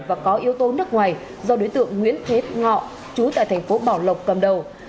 và có yếu tố nước ngoài do đối tượng nguyễn thế ngọ chú tại thành phố bảo lộc cầm đầu